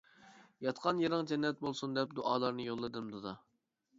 ياتقان يېرىڭ جەننەت بولسۇن دەپ، دۇئالارنى يوللىدىم دادا.